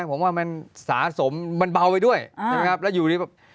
ผมว่ามันสะสมมันเบาไปด้วยอืมใช่ไหมครับแล้วอยู่นี่แบบ